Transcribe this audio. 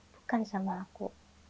bukan oleh aku